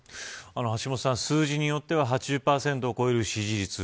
橋下さん、数字によっては８０％を超える支持率。